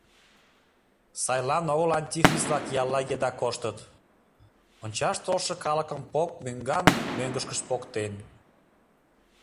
Сайлан огыл антихрист-влак ялла еда коштыт! — ончаш толшо калыкым поп мӧҥган-мӧҥгышкышт поктен.